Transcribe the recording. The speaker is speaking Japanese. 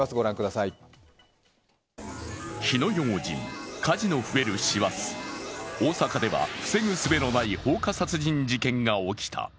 火の用心、火事の増える師走、大阪では防ぐすべのない放火殺人事件が起きた。